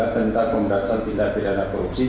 tentang pemberantasan tindak pidana korupsi